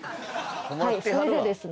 はいそれでですね。